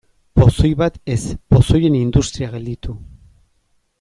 Pozoi bat ez, pozoien industria gelditu.